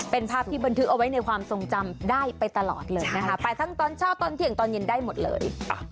เป็นภาพที่บันทึกเอาไว้ในความทรงจำได้ไปตลอดเลยนะคะไปทั้งตอนเช้าตอนเที่ยงตอนเย็นได้หมดเลย